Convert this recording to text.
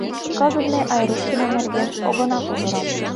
Кызыт ме Айрушкина нерген огына кутыро.